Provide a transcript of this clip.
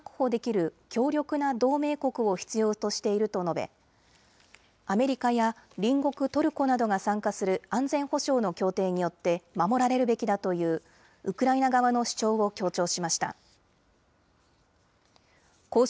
明確に安全が確保できる強力な同盟国を必要としていると述べアメリカや隣国トルコなどが参加する安全保障の協定によって守られるべきだというウクライナ側の主張を強調しました。